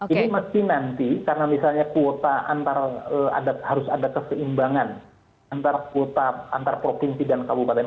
ini mesti nanti karena misalnya kuota harus ada keseimbangan antara kuota antar provinsi dan kabupaten